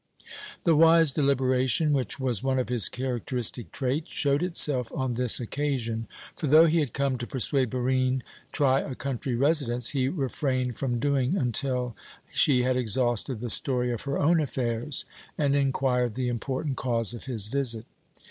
The wise deliberation, which was one of his characteristic traits, showed itself on this occasion; for though he had come to persuade Barine try a country residence, he refrained from doing until she had exhausted the story of her own affairs and inquired the important cause of his visit.